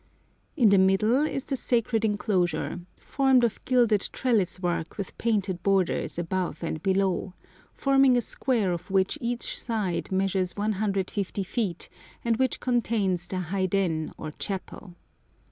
In the middle is the sacred enclosure, formed of gilded trellis work with painted borders above and below, forming a square of which each side measures 150 feet, and which contains the haiden or chapel.